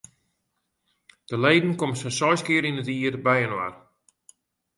De leden komme sa'n seis kear yn it jier byinoar.